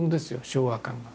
昭和感が。